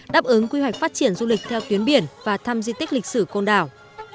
đáp ứng quy hoạch phát triển du lịch theo tuyến biển và thăm di tích lịch sử côn đảo